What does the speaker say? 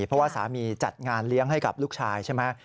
เพราะว่าสามีจัดงานเลี้ยงให้กับลูกชายใช่ไหม